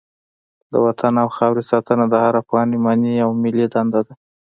د وطن او خاورې ساتنه د هر افغان ایماني او ملي دنده ده.